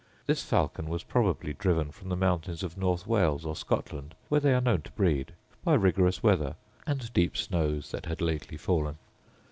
This falcon was probably driven from the mountains of North Wales or Scotland, where they are known to breed, by rigorous weather and deep snows that had lately fallen.